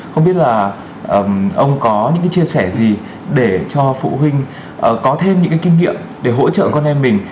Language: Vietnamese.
không biết là ông có những chia sẻ gì để cho phụ huynh có thêm những cái kinh nghiệm để hỗ trợ con em mình